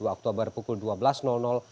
dua puluh oktober pukul dua belas